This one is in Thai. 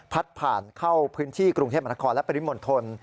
พัดผ่านเข้าพื้นที่กรุงเทพฯมรคและปริมนธน